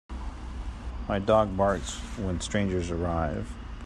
My dog barks when strangers arrive.